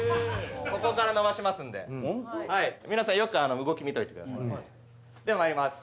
ここから伸ばしますんで皆さんよく動き見といてくださいではまいります